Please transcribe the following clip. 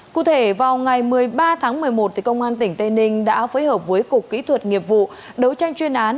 cụ thể vào ngày một mươi ba tháng một mươi một công an tỉnh tây ninh đã phối hợp với cục kỹ thuật nghiệp vụ đấu tranh chuyên án